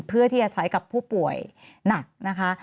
เพื่อที่จะใช้กับผู้ป่วยหนักนะคะ